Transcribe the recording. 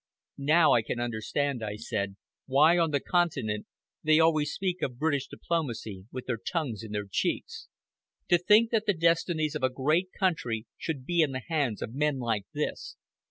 "Now I can understand," I said, "why, on the Continent, they always speak of British diplomacy with their tongues in their cheeks. To think that the destinies of a great country should be in the hands of men like this.